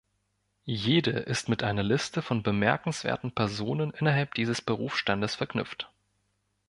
Jede ist mit einer Liste von bemerkenswerten Personen innerhalb dieses Berufsstandes verknüpft.